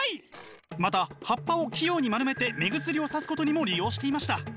また葉っぱを器用に丸めて目薬をさすことにも利用していました。